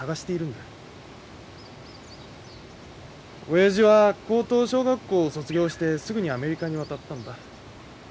親父は高等小学校を卒業してすぐにアメリカに渡ったんだ。